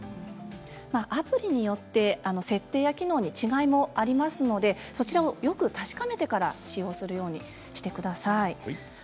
アプリによって設定や機能に違いもありますのでよく確かめてから使用するようにしてください。